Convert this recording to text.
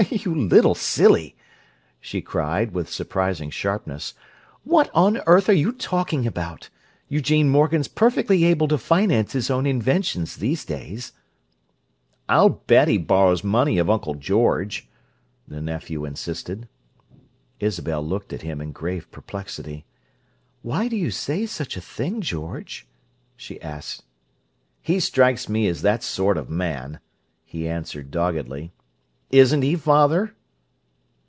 "You little silly!" she cried, with surprising sharpness. "What on earth are you talking about? Eugene Morgan's perfectly able to finance his own inventions these days." "I'll bet he borrows money of Uncle George," the nephew insisted. Isabel looked at him in grave perplexity. "Why do you say such a thing, George?" she asked. "He strikes me as that sort of man," he answered doggedly. "Isn't he, father?"